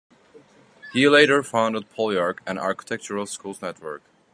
He later founded "Polyark", an architectural schools network.